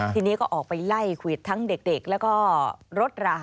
ทีนี้ก็ออกไปไล่ควิดทั้งเด็กแล้วก็รถรา